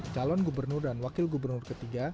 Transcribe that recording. calon gubernur dan wakil gubernur ketiga